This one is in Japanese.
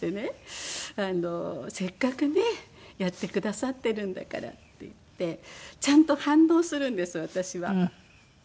せっかくねやってくださってるんだからって言ってちゃんと反応するんです私は。